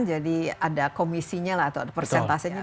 jadi ada komisinya atau persentasenya